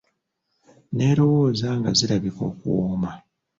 N'erowooza nga zirabika okuwooma.